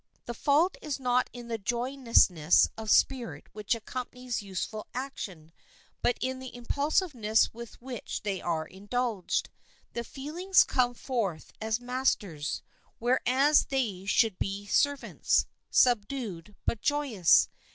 The fault is not in the joyousness of spirit which accompanies youthful action, but in the impulsiveness with which they are indulged. The feelings come forth as masters, whereas they should be servants, subdued, but joyous.